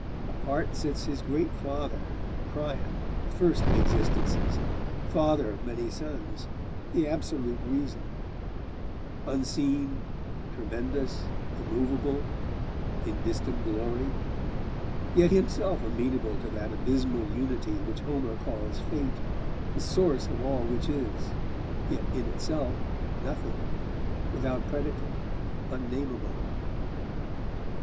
Apart sits his great father Priam, the first of existences, father of many sons, the Absolute Reason; unseen, tremendous, immovable, in distant glory; yet himself amenable to that abysmal unity which Homer calls Fate, the source of all which is, yet in Itself Nothing, without predicate, unnameable.